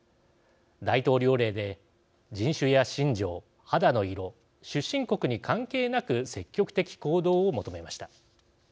大統領令で人種や信条、肌の色出身国に関係なく積極的行動を求めました。